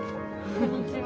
こんにちは。